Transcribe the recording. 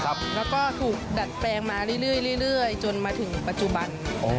แล้วก็ถูกดัดแปลงมาเรื่อยจนมาถึงปัจจุบัน